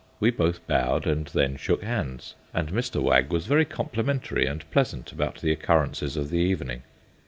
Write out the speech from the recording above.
We both bowed, and then shook hands, and Mr. Wag was very complimentary and pleasant about the occurrences of the evening.